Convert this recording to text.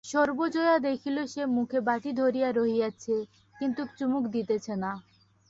সর্বজয়া দেখিল সে মুখে বাটি ধরিয়া রহিয়াছে কিন্তু চুমুক দিতেছে না।